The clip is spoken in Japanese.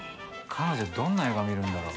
彼女どんな映画見るんだろ？